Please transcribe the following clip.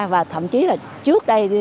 và thậm chí là trước đây